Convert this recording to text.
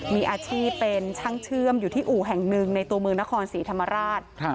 มีอาชีพเป็นช่างเชื่อมอยู่ที่อู่แห่งหนึ่งในตัวเมืองนครศรีธรรมราช